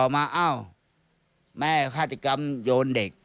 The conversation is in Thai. แตุเตอร์เอ้าแม่ฆาตกรรมโยนเด็ก